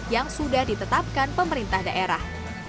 yang sudah ditetapkan pemerintah daerah